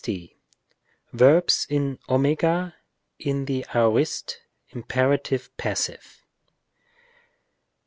§60. Verbs in @, in the aorist, imperative, passive.